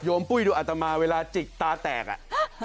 โยมปุ้ยดูอาจจะมาเวลาจิกตาแตกอ่ะ